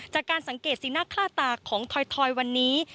จากการสังเกตสีหน้าคล่าตาของถอยวันนี้